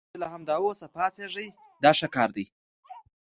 چې له همدا اوس پاڅېږئ دا ښه کار دی.